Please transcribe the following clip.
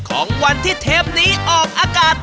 ของวันที่เทปนี้ออกอากาศ